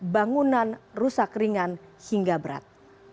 satu ratus delapan belas bangunan rusak ringan hingga berat